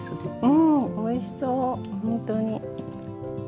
うんおいしそうほんとに。